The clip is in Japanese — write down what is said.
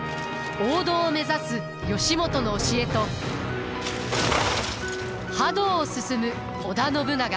王道を目指す義元の教えと覇道を進む織田信長。